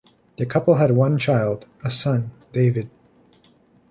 The couple had one child, a son, David.